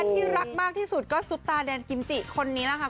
ที่รักมากที่สุดก็ซุปตาแดนกิมจิคนนี้แหละค่ะ